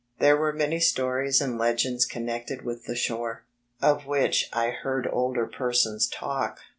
There were many stories and legends connected with the shore, of which I heard older persons talk.